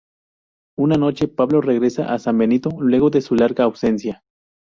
Una noche, Pablo regresa a San Benito luego de su larga ausencia.